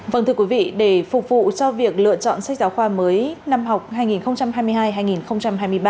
vâng thưa quý vị để phục vụ cho việc lựa chọn sách giáo khoa mới năm học hai nghìn hai mươi hai hai nghìn hai mươi ba